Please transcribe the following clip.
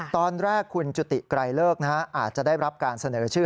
ตอนแรกคุณจุติไกรเลิกอาจจะได้รับการเสนอชื่อ